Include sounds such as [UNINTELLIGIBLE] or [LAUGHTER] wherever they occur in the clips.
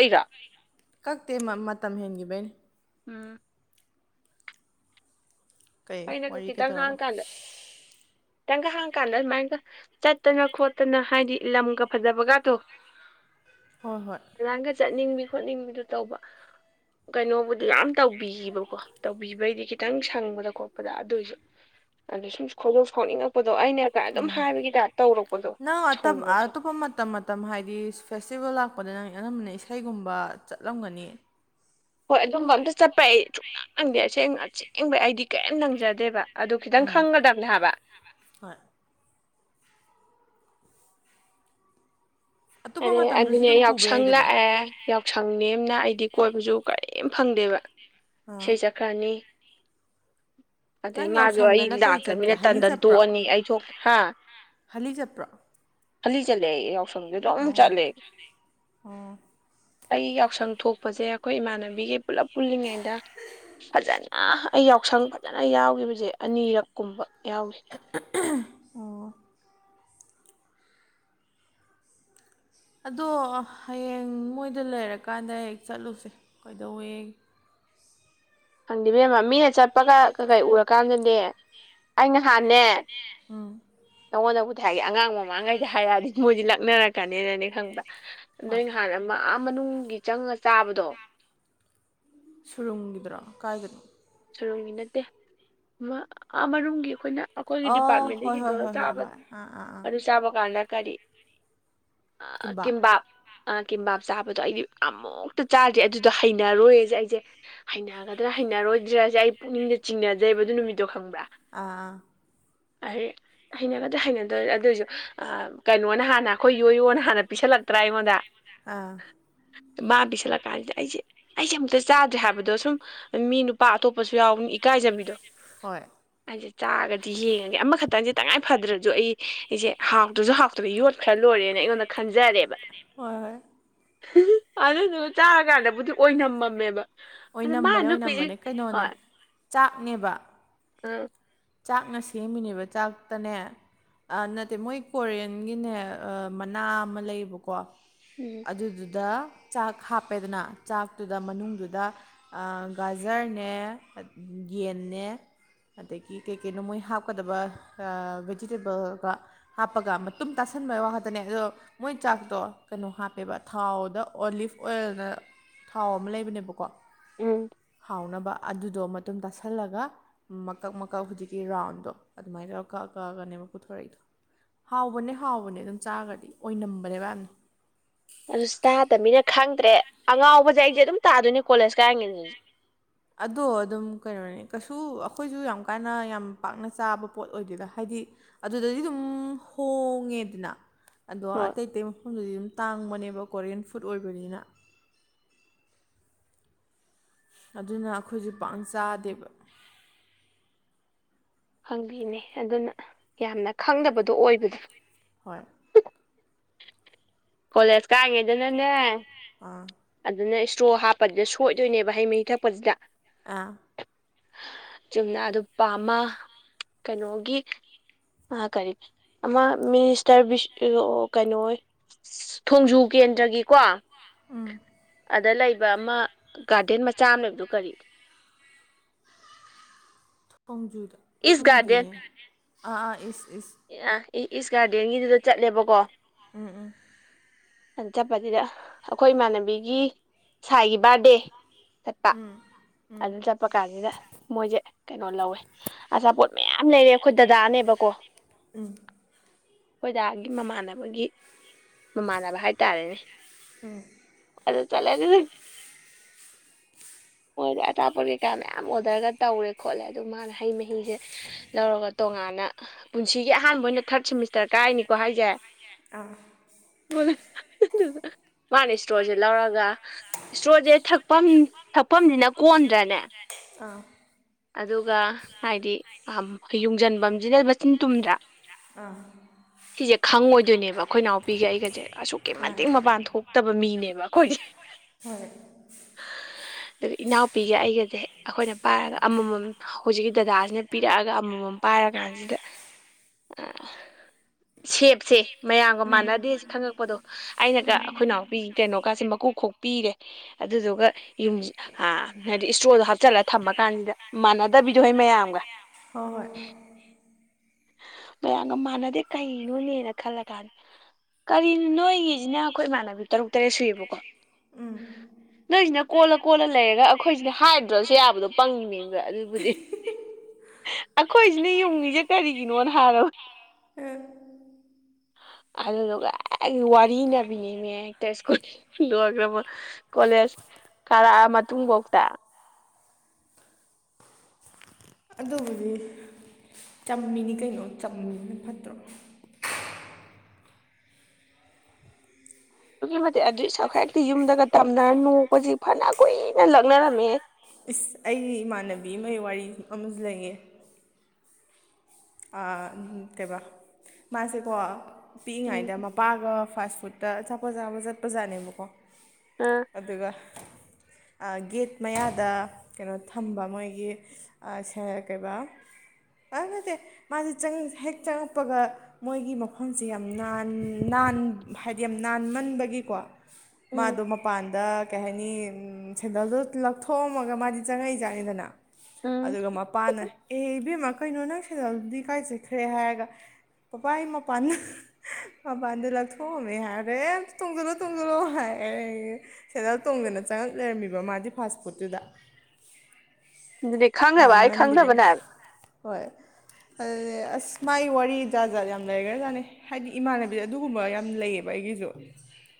ꯑꯩꯩꯒ [UNINTELLIGIBLE] [INAUDIBLE] ꯀꯛꯇꯦ ꯃꯇꯝ ꯍꯦꯟꯈꯤꯕꯩꯅꯦ ꯎꯝ ꯀꯩ ꯑꯩꯅ ꯋꯥꯔꯤ ꯈꯤꯇꯪ ꯀꯩꯗꯧꯔꯕ ꯉꯥꯡ ꯀꯥꯟꯗ ꯈꯤꯇꯪꯒ ꯍꯥꯡ ꯀꯥꯟꯗ ꯑꯗꯨꯃꯥꯏꯅꯒ ꯆꯠꯇꯅ ꯈꯣꯠꯇꯅ ꯍꯥꯏꯗꯤ ꯂꯝꯒ ꯐꯖꯕꯒꯗꯣ ꯍꯣꯏ ꯍꯣꯏ ꯅꯍꯥꯟꯒ ꯆꯠꯅꯤꯡꯕꯤ ꯈꯣꯠꯅꯤꯡꯕꯤꯗꯨ ꯇꯧꯕ ꯀꯩꯅꯣꯕꯨꯗꯤ ꯌꯥꯝ ꯇꯧꯕꯤꯌꯦꯕꯀꯣ ꯇꯧꯕꯤꯕꯩꯗꯤ ꯈꯤꯇꯪ ꯁꯪꯕꯗꯀꯣ ꯑꯗꯨꯑꯣꯏꯁꯨ ꯑꯗꯣ ꯁꯨꯝ ꯈꯣꯏꯗꯧ ꯁꯥꯎꯅꯤꯡꯉꯛꯄꯗꯣ ꯑꯩꯅ ꯑꯗꯨꯝ ꯍꯥꯏꯕꯒꯤ ꯇ ꯅ ꯑꯇꯣꯞꯕ ꯇꯞꯄ ꯇꯣ ꯃꯇꯝ ꯍꯥꯏꯗꯤ ꯐꯦꯁꯇꯤꯚꯦꯜ ꯂꯥꯛꯄꯗ ꯅꯪ ꯑꯅꯝꯕꯅ ꯏꯁꯩꯒꯨꯝꯕ ꯆꯠꯂꯝꯒꯅꯤ ꯍꯣꯏ ꯑꯗꯨꯝꯕ ꯑꯝꯇ ꯆꯠꯄ ꯑꯩ ꯁꯨꯅꯪ ꯅꯪꯗꯦ ꯑꯁꯦꯡ ꯑꯁꯦꯡꯕ ꯑꯩꯗꯤ ꯀꯔꯤꯝ ꯅꯪꯖꯗꯦꯕ ꯑꯗꯨ ꯈꯤꯇꯪ ꯈꯪꯒꯗꯕꯅꯦ ꯍꯥꯏꯕ ꯍꯣꯏ ꯑꯇꯣꯞꯄ ꯑ ꯃꯇꯝꯗꯁꯨ ꯑꯗꯨꯅꯦ ꯑꯗꯨꯝ ꯄꯨꯕ ꯌꯥꯎꯁꯪ ꯌꯥꯏꯗꯅ ꯂꯥꯛꯑꯦ ꯌꯥꯎꯁꯪ ꯅꯅ ꯑꯩꯗꯤ ꯀꯣꯏꯕꯁꯨ ꯀꯔꯤꯝ ꯐꯪꯗꯦꯕ ꯑꯥ ꯏꯁꯩ ꯆꯠꯈ꯭ꯔꯅꯤ ꯑꯗꯩ ꯅꯪ ꯃꯥꯁꯨ ꯑꯩ ꯌꯥꯎꯁꯪꯗꯅ ꯀꯩ ꯆꯠꯀꯦ ꯂꯥꯛꯇ꯭ꯔꯃꯤꯅ ꯇꯟ ꯍꯔꯤ ꯇꯟ ꯆꯠꯄ꯭ꯔꯥ ꯇꯣꯛꯑꯅꯤ ꯑꯩ ꯊꯣꯛ ꯍꯥ ꯍꯜꯂꯤ ꯆꯠꯄ꯭ꯔꯣ ꯍꯜꯂꯤ ꯆꯠꯂꯦ ꯑꯩ ꯌꯥꯎꯁꯪꯗ ꯑꯗꯨ ꯑꯃꯨꯛ ꯑꯣ ꯆꯠꯂꯦ ꯑꯣ ꯑꯩ ꯌꯥꯎꯁꯪ ꯊꯣꯛꯄꯁꯦ ꯑꯩꯈꯣꯏ ꯏꯃꯥꯟꯅꯕꯤꯒꯤ ꯄꯨꯜꯂꯞ ꯄꯨꯜꯂꯤꯉꯩꯗ ꯐꯖꯅ ꯑꯩ ꯌꯥꯎꯁꯪ ꯐꯖꯅ ꯌꯥꯎꯈꯤꯕꯁꯦ ꯑꯅꯤꯔꯛ ꯀꯨꯝꯕ ꯌꯥꯎꯏ ꯑꯣ ꯑꯗꯣ ꯍꯌꯦꯡ ꯃꯣꯏꯗ ꯂꯩꯔꯀꯥꯟꯗ ꯍꯦꯛ ꯆꯠꯂꯨꯁꯦ ꯀꯩꯗꯧꯋꯦ ꯈꯪꯗꯦꯕꯦꯝꯃ ꯃꯤꯅ ꯆꯠꯄꯒ ꯀꯩꯀꯩ ꯎꯔꯀꯥꯟꯗꯅꯦ ꯑꯩ ꯅꯍꯥꯟꯅꯦ ꯎ ꯅꯪꯉꯣꯟꯗꯕꯨꯗꯤ ꯍꯥꯏꯒꯦ ꯑꯉꯥꯡ ꯃꯃꯥꯡꯈꯩꯗ ꯍꯥꯏꯔꯛꯑꯗꯤ ꯃꯣꯏꯗꯤ ꯂꯛꯅꯔꯛꯀꯅꯤꯅꯅꯤ ꯈꯪꯕ ꯍꯣꯏ ꯅꯣꯏ ꯅꯍꯥꯟ ꯃꯅꯨꯡꯒꯤ ꯆꯪꯉ ꯆꯥꯕꯗꯣ ꯁꯨꯔꯨꯝꯒꯤꯗ꯭ꯔꯣ ꯀꯥꯏꯗꯅꯣ ꯁꯔꯨꯝꯒꯤ ꯅꯠꯇꯦ ꯑꯃꯅꯨꯡꯒꯤ ꯑꯩꯈꯣꯏꯅ ꯑꯩꯈꯣꯏꯒꯤ ꯑꯣ ꯗꯤꯄꯥꯔꯠꯃꯦꯟꯗꯒꯤ ꯍꯣꯏ ꯍꯣꯏ ꯍꯦꯟꯗꯣꯛꯅꯒ ꯍꯣꯏ ꯍꯣꯏ ꯆꯥꯕ ꯍꯣꯏ ꯑꯥ ꯑꯥ ꯑꯥ ꯑꯗꯨ ꯆꯥꯕ ꯀꯥꯟꯗ ꯀꯔꯤ ꯀꯤꯝꯕꯥꯞ ꯀꯕꯥ [INAUDIBLE] [UNINTELLIGIBLE] ꯑ ꯀꯤꯝꯕꯥꯞ ꯆꯥꯕꯗꯣ ꯑꯩꯗꯤ ꯑꯃꯨꯛꯇ ꯆꯥꯗ꯭ꯔꯤ ꯑꯗꯨꯗꯣ ꯍꯩꯅꯔꯣꯏꯌꯦꯁꯦ ꯑꯩꯁꯦ ꯍꯩꯅꯒꯗ꯭ꯔꯥ ꯍꯩꯅꯔꯣꯏꯗ꯭ꯔꯁꯦ ꯑꯩ ꯄꯨꯛꯅꯤꯡꯗ ꯆꯤꯡꯅꯖꯩꯕ ꯑꯗꯨ ꯅꯨꯃꯤꯠꯇꯣ ꯈꯪꯕ꯭ꯔꯥ ꯑꯥꯥ ꯍꯩꯅꯒꯗꯤ ꯍꯩꯅꯗꯣꯏꯔ ꯑꯗꯨꯑꯣꯏꯁꯨ ꯀꯩꯅꯣꯅ ꯍꯥꯟꯅ ꯑꯩꯈꯣꯏ ꯌꯣꯌꯣꯅ ꯍꯥꯟꯅ ꯄꯤꯁꯜꯂꯛꯇ꯭ꯔꯥ ꯑꯩꯉꯣꯟꯗ ꯑꯥ ꯃꯥ ꯄꯤꯁꯜꯂꯀꯥꯟꯁꯤꯗ ꯑꯩꯁꯦ ꯑꯩꯁꯦ ꯑꯃꯨꯛꯇ ꯆꯥꯗ꯭ꯔꯦ ꯍꯥꯏꯕꯗꯣ ꯁꯨꯝ ꯃꯤ ꯅꯨꯄꯤ ꯑꯇꯣꯞꯄꯁꯨ ꯌꯥꯎꯕꯅꯤꯅ ꯏꯀꯥꯏꯖꯕꯤꯗꯣ ꯍꯣꯏ ꯍꯥꯏ ꯆꯥꯔꯒꯗꯤ ꯌꯦꯡꯉꯒꯦ ꯑꯃꯈꯛꯇꯁꯦ ꯇꯉꯥꯏ ꯐꯗ꯭ꯔꯁꯨ ꯑꯩ ꯑꯩꯁꯦ ꯍꯥꯎꯇ꯭ꯔꯁꯨ ꯍꯥꯎꯇ꯭ꯔ ꯌꯣꯠꯈ꯭ꯔ ꯂꯣꯏꯔꯦꯅ ꯑꯩꯉꯣꯟꯗ ꯈꯟꯖꯔꯦꯕ ꯍꯣꯏ ꯍꯣꯏ ꯑꯗꯨꯗꯨꯒ ꯆꯥꯔꯀꯥꯟꯗꯕꯨꯗꯤ ꯑꯣꯏꯅꯝꯃꯝꯃꯦꯕ ꯑꯗ ꯃꯥ ꯑꯣꯏꯅꯝꯕꯅꯦ ꯂꯨꯞꯄꯤꯁꯤ ꯑꯣꯏꯅꯝꯕꯅꯦ ꯀꯩꯅꯣꯅꯦ ꯆꯥꯛꯅꯦꯕ ꯑꯥ ꯆꯥꯛꯅ ꯁꯦꯝꯃꯤꯅꯦꯕ ꯆꯥꯛꯇꯅꯦ ꯑꯥ ꯅꯠꯇꯦ ꯃꯣꯏ ꯀꯣꯔꯤꯌꯟꯒꯤꯅꯦ ꯃꯅꯥ ꯑꯃ ꯂꯩꯌꯦꯕꯀꯣ ꯎꯝ ꯑꯗꯨꯗꯨꯗ ꯆꯥꯛ ꯍꯥꯞꯄꯦꯗꯅ ꯆꯥꯛꯇꯨꯗ ꯃꯅꯨꯡꯗꯨꯗ ꯒꯥꯖꯔꯅꯦ ꯌꯦꯟꯅꯦ ꯑꯗꯒꯤ ꯀꯩꯀꯩꯅꯣ ꯃꯣꯏ ꯍꯥꯞꯀꯗꯕ ꯚꯦꯖꯤꯇꯦꯕꯜꯒ ꯍꯥꯞꯄꯒ ꯃꯇꯨꯝ ꯇꯥꯁꯟꯕꯩ ꯋꯥ ꯈꯠꯇꯅꯦ ꯑꯗꯣ ꯃꯣꯏ ꯆꯥꯛꯇꯣ ꯀꯩꯅꯣ ꯍꯥꯞꯄꯦꯕ ꯊꯥꯎꯗ ꯑꯣꯂꯤꯐ ꯑꯣꯏꯜꯅ ꯊꯥꯎ ꯑꯃ ꯂꯩꯕꯅꯦꯕꯀꯣ ꯎꯝ ꯍꯥꯎꯅꯕ ꯑꯗꯨꯗꯣ ꯃꯇꯨꯝ ꯇꯥꯁꯜꯂꯒ ꯃꯀꯛ ꯃ ꯀꯛ ꯍꯧꯖꯤꯛꯀꯤ ꯔꯥꯎꯟꯗꯣ ꯑꯗꯨꯃꯥꯏ ꯇꯧꯔ ꯀꯛ ꯀꯛꯑꯒꯅꯦꯕ ꯄꯨꯊꯣꯔꯛꯏꯗꯣ ꯍꯥꯎꯕꯅꯦ ꯍꯥꯎꯕꯅꯦ ꯑꯗꯨꯝ ꯆꯥꯒꯔꯗꯤ ꯑꯣꯏꯅꯝꯕꯅꯦꯕ ꯌꯥꯝꯅ ꯑꯗꯨꯁꯨ ꯇꯥꯗꯃꯤꯅ ꯈꯪꯗ꯭ꯔꯦ ꯑꯉꯥꯎꯕꯁꯦ ꯑꯩꯁꯦ ꯑꯗꯨꯝ ꯇꯥꯗꯣꯏꯅꯦ ꯀꯣꯂꯦꯖ ꯀꯥꯏꯔꯤꯉꯩꯗ ꯑꯗꯣ ꯑꯗꯨꯝ ꯀꯩꯅꯣꯅꯦ ꯀꯩꯁꯨ ꯑꯩꯈꯣꯏꯁꯨ ꯌꯥꯝ ꯀꯟꯅ ꯌꯥꯝ ꯄꯥꯛꯅ ꯆꯥꯕ ꯄꯣꯠ ꯑꯣꯏꯗꯣꯏꯗ ꯍꯥꯏꯗꯤ ꯑꯗꯨꯗꯗꯤ ꯑꯗꯨꯝ ꯍꯣꯡꯉꯦꯗꯅ ꯑꯗꯣ ꯍꯣꯏ ꯑꯇꯩ ꯑꯇꯩ ꯃꯐꯝꯗꯨꯗꯤ ꯑꯗꯨꯝ ꯇꯥꯡꯕꯅꯦꯕ ꯀꯣꯔꯤꯌꯟ ꯐꯨꯗ ꯑꯣꯏꯕꯅꯤꯅ ꯑꯗꯨꯅ ꯑꯩꯈꯣꯏꯁꯨ ꯄꯥꯛ ꯆꯥꯗꯦꯕ ꯍꯪꯕꯤꯅꯦ ꯑꯗꯨꯅ ꯌꯥꯝꯅ ꯈꯪꯗꯕꯗꯣ ꯑꯣꯏꯕꯗ ꯍꯣꯏ ꯀꯣꯂꯦꯖ ꯀꯥꯏꯉꯩꯗꯅꯅꯦ [UNINTELLIGIBLE] ꯑꯥ ꯑꯗꯨꯅ ꯏꯁꯇ꯭ꯔꯣ ꯍꯥꯞꯄꯁꯤꯗ ꯁꯣꯏꯗꯣꯏꯅꯦꯕ ꯍꯩ ꯃꯍꯤ ꯊꯛꯄꯁꯤꯗ ꯑꯥ ꯆꯨꯝꯅ ꯑꯗꯨ ꯄꯥꯝꯃ ꯀꯩꯅꯣꯒꯤ ꯑꯥ ꯀꯔꯤ ꯑꯃ ꯃꯤꯅꯤꯁ [UNINTELLIGIBLE] ꯀꯩꯅꯣ ꯑꯣꯏ ꯊꯣꯡꯖꯨ ꯀꯦꯟꯗ꯭ꯔꯒꯤꯀꯣ ꯎꯝ ꯑꯗ ꯂꯩꯕ ꯑꯃ ꯒꯥꯔꯗꯦꯟ ꯃꯆꯥ ꯑꯃ ꯂꯩꯕꯗꯣ ꯀꯔꯤ ꯊꯣꯡꯖꯨꯗ ꯏꯁ ꯈꯪꯗꯌꯦ ꯒꯥꯔꯗꯦꯟ ꯑꯥ ꯑꯥ ꯏꯁ ꯏꯁ ꯑ ꯏꯁ ꯒꯥꯔꯗꯦꯟꯒꯤꯗꯨꯗ ꯆꯠꯂꯦꯕꯀꯣ ꯎꯝ ꯎꯝ ꯑ ꯆꯠꯄꯁꯤꯗ ꯑꯩꯈꯣꯏ ꯏꯃꯥꯟꯅꯕꯤꯒꯤ ꯁꯥꯏꯒꯤ ꯕꯥꯔꯗꯦ ꯆꯠꯄ ꯑꯗꯨ ꯆꯠꯄ ꯀꯥꯟꯁꯤꯗ ꯃꯣꯏꯁꯦ ꯀꯩꯅꯣ ꯂꯧꯋꯦ ꯑꯆꯥꯄꯣꯠ ꯃꯌꯥꯝ ꯂꯩꯔꯛꯑꯦ ꯑꯩꯈꯣꯏ ꯗꯗꯥꯅꯦꯕꯀꯣ ꯎꯝ ꯈꯣꯏꯗꯥꯒꯤ ꯃꯃꯥꯟꯅꯕꯒꯤ ꯃꯃꯥꯟꯅꯕ ꯍꯥꯏꯇꯥꯔꯦꯅꯦ ꯑꯗꯨ ꯆꯠꯂꯦ ꯑꯗꯨ ꯃꯣꯏꯗꯤ ꯑꯆꯥꯄꯣꯠ ꯀꯩꯀꯥ ꯃꯌꯥꯝ ꯑꯣꯔꯗꯔꯒ ꯇꯧꯔꯦ ꯈꯣꯠꯂꯦ ꯑꯗꯨ ꯃꯥꯅ ꯍꯩ ꯃꯍꯤꯁꯦ ꯂꯧꯔꯒ ꯇꯣꯉꯥꯟꯅ ꯄꯨꯟꯁꯤꯒꯤ ꯑꯍꯥꯟꯕ ꯑꯣꯏꯅ ꯊꯥꯔꯠ ꯁꯤꯃꯤꯁꯇꯔ ꯀꯥꯏꯅꯤꯀꯣ ꯍꯥꯏꯁꯦ ꯑꯥ [UNINTELLIGIBLE] ꯃꯥꯅ ꯏꯁꯇ꯭ꯔꯣꯁꯦ ꯂꯧꯔꯒ ꯏꯁꯇ꯭ꯔꯣꯁꯦ ꯊꯛꯐꯝ ꯊꯛꯐꯝꯁꯤꯅ ꯀꯣꯟꯗ꯭ꯔꯅꯦ ꯑꯥ ꯑꯗꯨꯒ ꯍꯥꯏꯗꯤ ꯌꯨꯡꯁꯤꯟꯐꯝꯁꯤꯅ ꯃꯆꯤꯟ ꯇꯨꯝꯗ꯭ꯔꯥ ꯑꯥ ꯁꯤꯁꯦ ꯈꯪꯉꯣꯏꯗꯣꯏꯅꯦꯕ ꯑꯩꯈꯣꯏ ꯏꯅꯥꯎꯄꯤꯒ ꯑꯩꯒꯁꯦ ꯑꯁꯨꯛꯀꯤ ꯃꯇꯤꯛ ꯃꯄꯥꯟ ꯊꯣꯛꯇꯕ ꯃꯤꯅꯦꯕ ꯑꯩꯈꯣꯏꯁꯦ ꯍꯣꯏ ꯑꯗꯨꯒ ꯏꯅꯥꯎꯄꯤꯒ ꯑꯩꯒꯁꯦ ꯑꯩꯈꯣꯏꯅ ꯄꯥꯏꯔꯒ ꯑꯃꯃꯝ ꯍꯧꯖꯤꯛꯀꯤ ꯗꯗꯥꯁꯤꯅ ꯄꯤꯔꯛꯑꯒ ꯑꯃꯃꯝ ꯄꯥꯏꯔ ꯀꯥꯟꯁꯤꯗ ꯁꯦꯞꯁꯦ ꯃꯌꯥꯝꯒ ꯃꯥꯟꯅꯗꯦꯁꯦ ꯈꯪꯉꯛꯄꯗꯣ ꯑꯩꯅꯒ ꯑꯩꯈꯣꯏ ꯏ ꯅꯥꯎꯄꯤ ꯀꯩꯅꯣꯀꯥꯁꯦ ꯃꯀꯨꯈꯣꯛ ꯄꯤꯔꯦ ꯑꯗꯨꯗꯨꯒ ꯌꯨꯝ ꯑ ꯍꯥꯏꯗꯤ ꯏꯁꯇꯣꯗꯣ ꯍꯥꯞꯆꯤꯜꯂꯒ ꯊꯝꯃ ꯀꯥꯟꯁꯤꯗ ꯃꯥꯟꯅꯗꯕꯤꯗꯣ ꯍꯣꯏ ꯃꯌꯥꯝꯒ ꯍꯣꯏ ꯍꯣꯏ ꯃꯌꯥꯝꯒ ꯃꯥꯟꯅꯗꯦ ꯀꯩꯅꯣꯅꯦꯅ ꯈꯜꯂ ꯀꯥꯟꯗ ꯀꯔꯤꯅꯣ ꯅꯣꯏꯒꯤꯁꯤꯅ ꯑꯩꯈꯣꯏ ꯏꯃꯥꯟꯅꯕꯤ ꯇꯔꯨꯛ ꯇꯔꯦꯠ ꯁꯨꯏꯌꯦꯕꯀꯣ ꯎꯝ [UNINTELLIGIBLE] [INAUDIBLE] ꯅꯣꯏꯁꯤꯅ ꯀꯣꯜꯂ ꯀꯣꯜꯂ ꯂꯩꯔꯒ ꯑꯩꯈꯣꯏꯁꯤꯅ ꯍꯥꯏꯗ꯭ꯔꯁꯨ ꯌꯥꯕꯗꯣ ꯄꯪꯉꯤ ꯕꯥ ꯑꯗꯨꯕꯨꯗꯤ ꯑꯩꯈꯣꯏꯁꯤꯅ ꯌꯨꯡꯉꯤꯁꯦ ꯀꯔꯤꯒꯤꯅꯣꯅ ꯍꯥꯏꯔꯕ ꯑꯦ [UNINTELLIGIBLE] [INAUDIBLE] ꯑꯗꯨꯗꯨꯒ ꯑꯩ ꯋꯥꯔꯤꯅꯕꯤꯅꯤꯃꯦ ꯍꯦꯛꯇ ꯁ꯭ꯀꯨꯜ ꯂꯣꯏꯒ꯭ꯔ ꯑꯃ ꯀꯣꯂꯦꯖ ꯀꯥꯔꯛꯑ ꯃꯇꯨꯡꯐꯧꯇ ꯑꯗꯨꯗꯤ ꯆꯝꯃꯤꯅꯤ ꯀꯩꯅꯣ ꯆꯝꯃꯤꯅ ꯐꯠꯇ꯭ꯔꯣ ꯑꯗꯨꯛꯀꯤ ꯃꯇꯤꯛ ꯑꯗꯨꯏꯁꯨ ꯍꯦꯛꯇꯤ ꯌꯨꯝꯗꯒ ꯇꯝꯅꯔ ꯅꯣꯛꯄꯁꯤ ꯐꯅ ꯀꯨꯏꯅ ꯂꯛꯅꯔꯝꯃꯦ ꯏꯁꯁ ꯑꯩ ꯏꯃꯥꯟꯅꯕꯤ ꯑꯃꯒꯤ ꯋꯥꯔꯤ ꯑꯃꯁꯨ ꯂꯩꯌꯦ ꯑꯥ ꯀꯩꯕ ꯃꯥꯁꯦꯀꯣ ꯎꯝ ꯄꯤꯛꯏꯉꯩꯗ ꯄꯥꯒ ꯐꯥꯁ ꯐꯨꯗꯠꯇ ꯑꯆꯄꯣꯠ ꯆꯥꯕ ꯆꯠꯄꯖꯥꯠꯅꯦꯕꯀꯣ ꯎꯝ ꯑꯗꯨꯒ ꯒꯦꯠ ꯃꯌꯥꯗ ꯀꯩꯅꯣ ꯊꯝꯕ ꯃꯣꯏꯒꯤ ꯑꯥ ꯁꯔ ꯀꯩꯕ ꯑꯥ ꯅꯠꯇꯦ ꯃꯥꯁꯤ ꯆꯪ ꯍꯦꯛ ꯆꯪꯉꯛꯄꯒ ꯃꯣꯏꯒꯤ ꯃꯐꯝꯁꯦ ꯌꯥꯝ ꯅꯥꯟ ꯅꯥꯟ ꯍꯥꯏꯗꯤ ꯌꯥꯝ ꯅꯥꯟꯃꯟꯕꯒꯤꯀꯣ ꯎꯝ ꯃꯥꯗꯣ ꯃꯄꯥꯟꯗ ꯀꯩ ꯍꯥꯏꯅꯤ ꯁꯦꯟꯗꯜꯗꯣ ꯂꯧꯊꯣꯛꯑꯝꯃꯒ ꯃꯥꯗꯤ ꯆꯪꯉꯛꯏ ꯖꯥꯠꯅꯤꯗꯅ ꯎꯝ ꯑꯗꯨꯒ ꯃꯄꯥꯥꯟꯅ ꯑꯦ ꯏꯕꯦꯝꯃ ꯀꯩꯅꯣ ꯅꯪ ꯁꯦꯗꯜꯗꯤ ꯀꯥꯏ ꯆꯠꯈ꯭ꯔꯦ ꯍꯥꯏꯔꯒ ꯕꯕꯥ ꯑꯩ ꯃꯄꯥꯟꯗ ꯃꯄꯥꯟꯗ ꯂꯧꯊꯣꯑꯃꯦ ꯍꯥꯢꯔꯦ ꯑꯦ ꯇꯣꯡꯖꯤꯂꯨ ꯇꯨꯡꯖꯤꯂꯨ ꯍꯥꯏ ꯁꯦꯟꯗꯜ ꯇꯣꯡꯗꯅ ꯆꯪꯉꯛ ꯂꯩꯔꯝꯃꯤꯕ ꯃꯥꯗꯤ ꯐꯥꯁ ꯐꯨꯠꯇꯨꯗ ꯑꯗꯨꯅꯤ ꯈꯪꯗꯕ ꯍꯥꯢ ꯈꯪꯗꯕꯅꯦ ꯍꯥꯢꯕ ꯍꯣꯏ ꯑꯗꯨ ꯑꯁ ꯃꯥꯥꯏ ꯋꯥꯔꯤ ꯖꯥꯠ ꯖꯥꯠ ꯌꯥꯝ ꯂꯩꯈ꯭ꯔꯖꯥꯠꯅꯤ ꯍꯥꯏꯗꯤ ꯏꯃꯥꯟꯅꯕꯤꯗꯨ ꯑꯗꯨꯒꯨꯝꯕ ꯌꯥꯝ ꯂꯩꯌꯦꯕ ꯑꯩꯒꯤꯁꯨ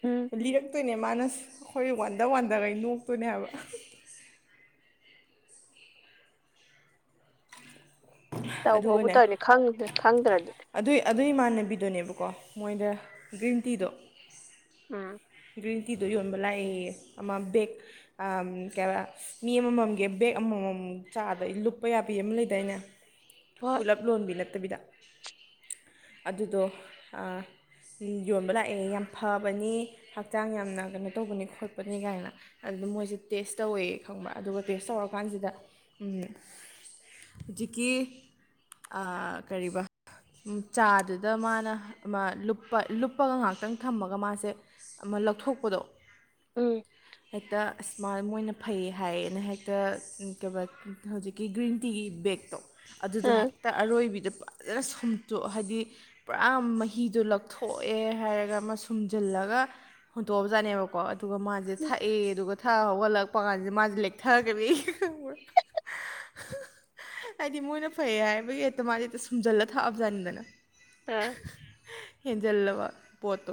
ꯎꯝ ꯂꯤꯔꯛꯇꯣꯏꯅꯦ ꯃꯥꯅ ꯑꯩꯈꯣꯏ ꯋꯥꯟꯗ ꯋꯥꯟꯗꯈꯩ ꯅꯣꯛꯇꯣꯏꯅꯦ ꯍꯥꯏꯕ [INAUDIBLE] ꯇꯧꯕꯕꯨ ꯑꯗꯨꯒꯅꯦ ꯇꯧꯔꯤꯅꯤ ꯈꯪ ꯈꯪꯗ꯭ꯔꯗꯤ ꯑꯗꯨꯏ ꯑꯗꯨ ꯏꯃꯥꯟꯅꯕꯤꯗꯨꯅꯦꯕꯀꯣ ꯃꯣꯏꯗ ꯒ꯭ꯔꯤꯟ ꯇꯤꯗꯣ ꯎꯝ ꯒ꯭ꯔꯤꯟ ꯇꯤꯗꯣ ꯌꯣꯟꯕ ꯂꯥꯛꯑꯦ ꯑꯃ ꯕꯦꯛ ꯀꯩ ꯃꯤ ꯑꯃꯃꯝꯒꯤ ꯕꯦꯛ ꯑꯃꯃꯝ ꯆꯥꯗ ꯂꯨꯞꯄ ꯌꯥꯕꯤ ꯑꯃ ꯂꯩꯗꯥꯏꯅꯦ ꯍꯣꯏ ꯄꯨꯂꯞ ꯂꯣꯟꯕꯤ ꯅꯠꯇꯕꯤꯗ ꯑꯗꯨꯗꯣ ꯌꯣꯟꯕ ꯂꯥꯛꯑꯦ ꯌꯥꯝ ꯐꯕꯅꯤ ꯍꯛꯆꯥꯡ ꯌꯥꯝꯅ ꯀꯩꯅꯣ ꯇꯧꯕꯅꯤ ꯈꯣꯠꯄꯅꯤ ꯀꯥꯏꯅ ꯑꯗꯨꯗ ꯃꯣꯏꯁꯦ ꯇꯦꯁ ꯇꯧꯋꯦ ꯈꯪꯕ ꯑꯗꯨꯒ ꯇꯦꯁ ꯇꯧꯔꯀꯥꯟꯁꯤꯗ ꯍꯧꯖꯤꯛꯀꯤ ꯀꯔꯤꯕ ꯆꯥꯗꯨꯗ ꯃꯥꯅ ꯂꯨꯞꯄꯒ ꯉꯥꯏꯍꯥꯛꯇꯪ ꯊꯝꯃꯒ ꯃꯥꯁꯦ ꯑꯃ ꯂꯧꯊꯣꯛꯄꯗꯣ ꯎꯝ ꯍꯦꯛꯇ ꯑꯁꯃꯥꯏꯜ ꯃꯣꯏꯅ ꯐꯩ ꯍꯥꯏꯌꯦꯅ ꯍꯦꯛꯇ ꯀꯩ ꯍꯧꯖꯤꯛꯀꯤ ꯒ꯭ꯔꯤꯟ ꯇꯤꯒꯤ ꯕꯦꯛꯇꯣ ꯑꯗꯨꯗꯣ ꯑ ꯍꯦꯛꯇ ꯑꯔꯣꯏꯕꯤꯗ ꯐꯖꯅ ꯁꯨꯝꯇꯣꯛ ꯍꯥꯏꯗꯤ ꯄꯨꯔꯥ ꯃꯍꯤꯗꯣ ꯂꯧꯛꯊꯣꯛꯑꯦ ꯍꯥꯏꯔꯒ ꯑꯃ ꯁꯨꯝꯖꯤꯜꯂꯒ ꯍꯨꯟꯇꯣꯛꯑꯕꯖꯥꯠꯅꯦꯕꯀꯣ ꯑꯗꯨꯒ ꯃꯥꯁꯦ ꯊꯥꯛꯑꯦ ꯑꯗꯨꯒ [UNINTELLIGIBLE] ꯍꯧꯒꯠꯂꯛꯄ ꯀꯥꯟꯁꯤ ꯃꯥꯁꯦ ꯂꯦꯛꯊꯔꯒ [UNINTELLIGIBLE] ꯍꯥꯏꯗꯤ ꯃꯣꯏꯅ ꯐꯩ ꯍꯥꯏꯕꯒꯤ ꯍꯦꯛꯇ ꯃꯥꯁꯦ ꯁꯨꯝꯖꯜꯂ ꯊꯥꯛꯑꯕꯖꯥꯅꯤꯗꯅ ꯎ ꯍꯦꯟꯖꯜꯂꯨꯕ ꯄꯣꯠꯇꯣ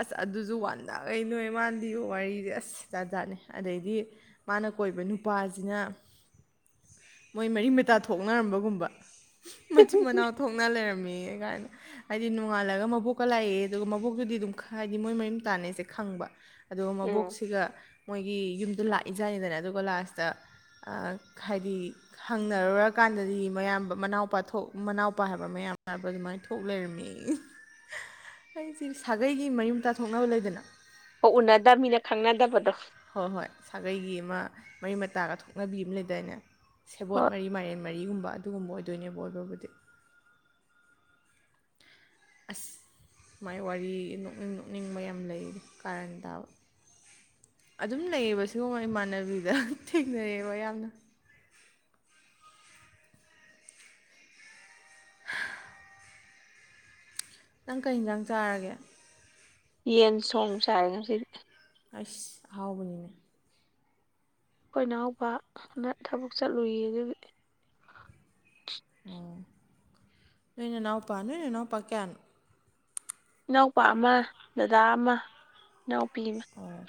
ꯑꯁ ꯑꯗꯨꯁꯨ ꯋꯥꯟꯗꯥꯈꯩ ꯅꯣꯛꯑꯦ ꯃꯥꯥꯅ ꯂꯤꯕ ꯋꯥꯔꯤꯁꯦ ꯑꯁ ꯖꯥꯠ ꯖꯥꯠꯅꯤ ꯑꯗꯩꯗꯤ ꯃꯥꯅ ꯀꯣꯏꯕ ꯅꯨꯄꯥꯁꯤꯅ ꯃꯣꯏ ꯃꯔꯤ ꯃꯇꯥ ꯊꯣꯛꯅꯔꯝꯕꯒꯨꯝꯕ ꯃꯆꯤꯟ ꯃꯅꯥꯎ ꯊꯣꯛꯅ ꯂꯩꯔꯝꯃꯦ ꯀꯥꯏꯅ ꯍꯥꯏꯗꯤ ꯅꯣꯡꯉꯥꯜꯂꯒ ꯃꯕꯣꯛꯀ ꯂꯥꯛꯑꯦ ꯑꯗꯨꯒ ꯃꯕꯣꯛꯇꯨꯗꯤ ꯑꯗꯨꯝ ꯍꯥꯏꯗꯤ ꯃꯣꯏ ꯃꯕꯤ ꯃꯇꯥꯅꯤꯁꯦ ꯈꯪꯕ ꯑꯗꯨꯒ ꯎꯝ ꯃꯕꯣꯛꯁꯤꯒ ꯃꯣꯏꯒꯤ ꯌꯨꯝꯗ ꯂꯥꯛꯏꯖꯥꯠꯅꯤꯗꯅ ꯑꯗꯨꯒ ꯂꯥꯁꯇ ꯑ ꯍꯥꯏꯗꯤ ꯍꯪꯅꯔꯨꯔꯀꯥꯟꯗꯗꯤ ꯃꯌꯥꯝ ꯃꯅꯥꯎꯄꯥ ꯊꯣꯛ ꯃꯅꯥꯎꯄꯥ ꯍꯥꯏꯕ ꯃꯌꯥꯝ ꯍꯥꯏꯕ ꯑꯗꯨꯃꯥꯏꯅ ꯊꯣꯛ ꯂꯩꯔꯝꯃꯤ ꯑꯩꯁꯦ ꯁꯥꯒꯩꯒꯤ ꯃꯔꯤ ꯃꯇꯥ ꯊꯣꯛꯅꯕ ꯂꯩꯗꯅ ꯍꯣꯏ ꯎꯅꯗꯕꯅꯤꯅ ꯈꯪꯅꯗꯕꯗꯣ ꯍꯣꯏ ꯍꯣꯏ ꯁꯥꯒꯩꯒꯤ ꯑꯃ ꯃꯔꯤ ꯃꯇꯥꯒ ꯊꯣꯛꯅꯕꯤ ꯑꯃ ꯂꯩꯗꯥꯏꯅꯦ ꯁꯦꯕꯣꯠ ꯍꯣꯏ ꯃꯔꯤ ꯃꯥꯏꯔꯦꯟ ꯃꯔꯤꯒꯨꯝꯕ ꯑꯗꯨꯒꯨꯝꯕ ꯑꯣꯏꯗꯣꯏꯅꯦꯕ ꯑꯣꯏꯕꯕꯨꯗꯤ ꯑꯁ ꯃꯥꯏ ꯋꯥꯔꯤ ꯅꯣꯛ ꯅꯣꯛꯅꯤꯡꯕ ꯌꯥꯝ ꯂꯩ ꯀꯥꯔꯟ ꯇꯥꯕ ꯑꯗꯨꯝ ꯂꯩꯌꯦꯕ ꯁꯤꯒꯨꯝꯕ ꯏꯃꯥꯟꯅꯕꯤꯗ ꯊꯦꯡꯅꯔꯑꯦꯕ ꯌꯥꯝꯅ ꯅꯪ ꯀꯩ ꯌꯦꯟꯖꯥꯡ ꯆꯥꯔꯒꯦ ꯌꯦꯟ ꯁꯣꯡ ꯆꯥꯏ ꯉꯁꯤꯗꯤ ꯑꯩꯁ ꯑꯍꯥꯎꯕꯅꯤꯅꯦ ꯑꯩꯈꯣꯏ ꯏꯅꯥꯍꯎꯄꯥꯅ ꯊꯕꯛ ꯆꯠꯂꯨꯏ ꯑꯗꯨꯒꯤ ꯑꯣ ꯅꯣꯏ ꯅꯅꯥꯎ ꯄꯥ ꯅꯣꯏꯅꯅꯥꯎ ꯄꯥ ꯀꯌꯥꯅꯣ ꯏꯅꯥꯎꯄꯥ ꯑꯃ ꯗꯗꯥ ꯑꯃ ꯏꯅꯥꯎꯄꯤ ꯑꯃ ꯑꯣ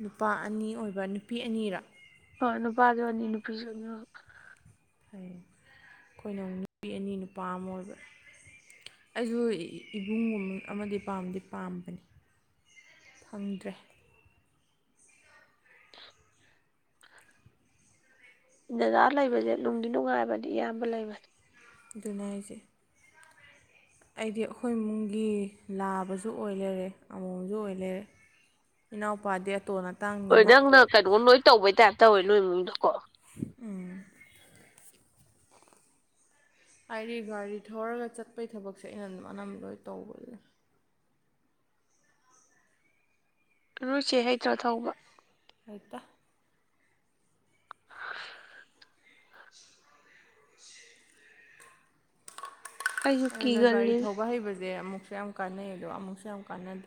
ꯅꯨꯄꯥ ꯑꯅꯤ ꯑꯣꯏꯕ ꯅꯨꯄꯤ ꯑꯅꯤꯔ ꯍꯣꯏ ꯅꯨꯄꯥꯁꯨꯠꯑꯅꯤ ꯅꯨꯄꯤꯁꯨ ꯑꯅꯤ [UNINTELLIGIBLE] ꯑꯩꯈꯣꯏꯅ ꯑꯃꯨꯛ ꯅꯨꯄꯤ ꯑꯅꯤ ꯅꯨꯄꯥ ꯑꯃ ꯑꯣꯏꯕ ꯑꯩꯁꯨ ꯏꯕꯨꯡꯒꯨꯝꯕ ꯑꯃꯗꯤ ꯄꯥꯝꯗꯤ ꯄꯥꯝꯕꯅꯤ ꯐꯪꯗ꯭ꯔꯦ ꯗꯥꯗꯥ ꯂꯩꯕꯁꯦ ꯅꯨꯡꯗꯤ ꯅꯨꯡꯉꯥꯏꯕꯅꯤ ꯏꯌꯥꯝꯕ ꯂꯩꯕꯁꯦ ꯑꯗꯨꯅꯦ ꯍꯥꯏꯁꯦ ꯑꯩꯗꯤ ꯑꯩꯈꯣꯏ ꯏꯃꯨꯡꯒꯤ ꯂꯥꯕꯁꯨ ꯑꯣꯏ ꯂꯩꯔꯦ ꯑꯃꯣꯝꯁꯨ ꯑꯣꯏ ꯂꯩꯔꯦ ꯏꯅꯥꯎꯄꯥꯗꯤ ꯑꯇꯣꯟ ꯍꯣꯏ ꯑꯇꯥꯡꯅꯤꯅ ꯅꯪꯅ ꯀꯩꯅꯣ ꯅꯣꯏ ꯇꯧꯕꯩ ꯇꯥꯏꯞ ꯇꯧꯋꯦ ꯅꯣꯏ ꯏꯃꯨꯡꯗꯨ ꯀꯣ ꯎꯝ ꯍꯥꯏꯗꯤ ꯒꯥꯔꯤ ꯊꯧꯔꯒ ꯆꯠꯄꯒꯤ ꯊꯕꯛꯁꯦ ꯑꯩꯅ ꯑꯗꯨꯝ ꯑꯅꯝꯕ ꯂꯣꯏ ꯇꯧꯕꯗꯨ ꯅꯣꯏꯆꯦ ꯍꯩꯇ꯭ꯔꯥ ꯊꯧꯕ ꯍꯩꯇꯦ [UNINTELLIGIBLE] ꯑꯩꯁꯨ ꯑꯗꯨꯅ ꯒꯥꯔꯤ ꯀꯤꯒꯜꯂꯤ ꯊꯧꯕ ꯍꯩꯕꯁꯦ ꯑꯃꯨꯛꯁꯨ ꯌꯥꯝ ꯀꯥꯟꯅꯩ ꯑꯗꯣ ꯑꯃꯨꯛꯁꯨ ꯌꯥꯝ ꯀꯥꯟꯅꯗꯦ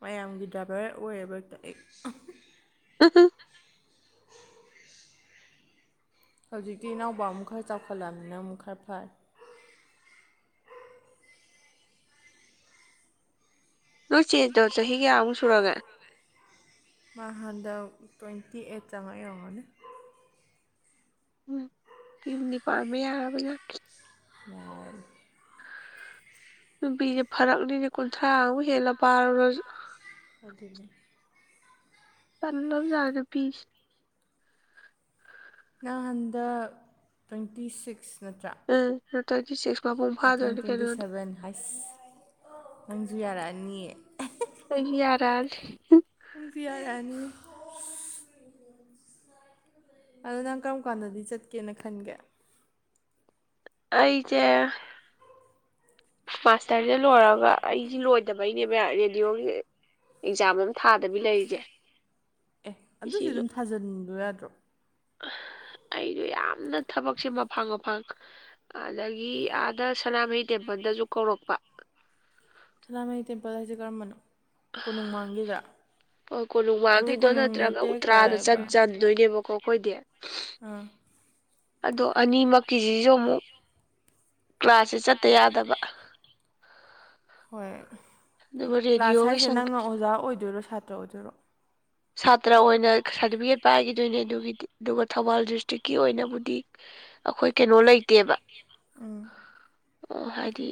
ꯃꯌꯥꯝꯒꯤ ꯗ꯭ꯔꯥꯏꯚꯔ ꯑꯣꯏꯔꯦꯕ [UNINTELLIGIBLE] ꯎꯝ [UNINTELLIGIBLE] ꯍꯧꯖꯤꯛꯇꯤ ꯏꯅꯥꯎꯕ ꯑꯃꯨꯛ ꯈꯔ ꯆꯥꯎꯈꯠꯂꯕꯃꯤꯅ ꯑꯃꯨꯛ ꯈꯔ ꯐꯔꯦ ꯅꯣꯏ ꯆꯦꯗꯣ ꯆꯍꯤ ꯀꯌꯥꯃꯨꯛ ꯁꯨꯔꯒꯦ ꯃ ꯍꯥꯟꯗ ꯇ꯭ꯋꯦꯟꯇꯤ ꯑꯩꯠ ꯌꯡꯉꯛꯏ ꯑꯣꯏꯔꯝꯒꯅꯤ ꯎꯝ ꯌꯨꯝꯗꯤ ꯄꯥꯟꯕ ꯌꯥꯔꯕ ꯖꯥꯠꯅꯤ [UNINTELLIGIBLE] ꯅꯨꯄꯤꯁꯦ ꯐꯔꯛꯅꯤꯅꯦ ꯀꯨꯟꯊ꯭ꯔꯥꯃꯨꯛ ꯍꯦꯜꯂꯒ ꯄꯥꯜꯔꯨꯔꯁꯨ ꯑꯗꯨꯅꯤ ꯄꯟꯣꯖꯥ ꯄꯁ ꯅꯍꯟꯗꯛ ꯇ꯭ꯋꯦꯟꯇꯤ ꯁꯤꯛꯁ ꯅꯠꯇ꯭ꯔꯥ ꯇ꯭ꯋꯦꯟꯤ ꯁꯤꯁ ꯃꯊꯪ ꯇ꯭ꯋꯦꯟꯇꯤ ꯁꯚꯦꯟ ꯍꯥꯏꯁ ꯅꯪꯖꯨ ꯌꯥꯔꯛꯑꯅꯤ ꯀ ꯌꯥꯔ ꯪꯖꯤꯌꯥꯔꯅꯤ ꯑꯗꯣ ꯅꯪ ꯀꯔꯝ ꯀꯥꯟꯗꯗꯤ ꯆꯠꯀꯦꯅ ꯈꯟꯒꯦ ꯑꯦ ꯑꯩꯗꯤ ꯃꯥꯁꯇꯔꯁꯤ ꯂꯣꯏꯔꯒ ꯑꯩꯁꯤ ꯂꯣꯏꯗꯕꯩꯅꯦꯕ ꯔꯦꯗꯤꯑꯣꯒꯤ ꯑꯦꯛꯖꯥꯝ ꯑꯗꯨꯝ ꯊꯥꯗꯕꯤ ꯂꯩꯔꯤꯁꯦ ꯑꯗꯨꯁꯨ ꯑꯗꯨꯝ ꯊꯥꯖꯤꯟꯕ ꯌꯥꯗ꯭ꯔꯣ ꯑꯩꯁꯨꯣ ꯌꯥꯝꯅ ꯊꯕꯛꯁꯦ ꯃꯐꯥꯡ ꯃꯐꯥꯡ ꯑꯗꯒꯤ ꯑꯥꯗ ꯁꯅꯥꯃꯍꯤ ꯇꯦꯝꯄꯜꯗꯁꯨ ꯀꯧꯔꯛꯄ ꯁꯅꯥꯃꯍꯤ ꯇꯦꯝꯄꯜ ꯍꯥꯏꯁꯦ ꯀꯔꯝꯕꯅꯣ ꯀꯣꯅꯨꯡꯃꯥꯡꯒꯤꯗ ꯑꯣ ꯀꯣꯅꯨꯡ ꯃꯥꯡꯉꯤꯗꯣ ꯅꯠꯇ꯭ꯔꯒ ꯎ ꯇ꯭ꯔꯥꯗ ꯀꯥꯏꯕ ꯆꯪ ꯆꯟꯗꯣꯏꯅꯦꯕꯀꯣ ꯑꯩꯈꯣꯏꯗꯤ ꯑꯥ ꯑꯗꯣ ꯑꯅꯤꯃꯛꯀꯤꯁꯤꯁꯨ ꯑꯃꯨꯛ ꯀ꯭ꯂꯥꯁꯁꯦ ꯆꯠꯇ ꯌꯥꯗꯕ ꯍꯣꯏ ꯑꯗꯨꯒ ꯀ꯭ꯂꯥꯁ ꯔꯦꯗꯤꯑꯣꯒꯤ ꯍꯥꯏꯁꯦ ꯅꯪꯅ ꯑꯣꯖꯥ ꯑꯣꯏꯗꯣꯏꯔꯣ ꯁꯥꯇ꯭ꯔ ꯑꯣꯏꯗꯣꯏꯔꯣ ꯁꯥꯇ꯭ꯔ ꯑꯣꯏꯅ ꯁꯥꯔꯇꯤꯐꯤꯀꯦꯠ ꯄꯥꯏꯈꯤꯗꯣꯏꯅꯦ ꯑꯗꯨꯒꯤꯗꯤ ꯑꯗꯨꯒ ꯊꯧꯕꯥꯜ ꯗꯤꯁꯇ꯭ꯔꯤꯛꯀꯤ ꯑꯣꯏꯅꯕꯨꯗꯤ ꯑꯩꯈꯣꯏ ꯀꯩꯅꯣ ꯂꯩꯇꯦꯕ ꯑ [UNINTELLIGIBLE] [INAUDIBLE] ꯍꯥꯏꯗꯤ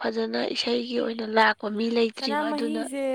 ꯐꯖꯅ ꯏꯁꯩꯒꯤ ꯑꯣꯏꯅ ꯂꯥꯛꯄ ꯃꯤ ꯂꯩꯇ꯭ꯔꯤꯕ ꯑꯗꯨꯅ ꯁꯅꯥꯃꯍꯤꯁꯦ